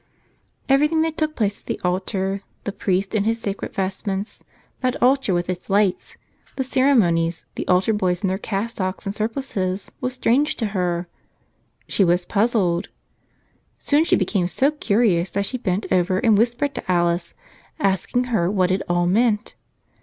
Everything that took place at the altar, the priest in his sacred vestments, that altar with its lights, the ceremonies, the altar boys in their cassocks and sur¬ plices, was strange to her. She was puzzled. Soon she became so curious that she bent over and whis¬ pered to Alice, asking her what it all meant.